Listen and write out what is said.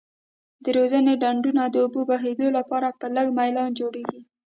د روزنې ډنډونه د اوبو بهیدو لپاره په لږ میلان جوړیږي.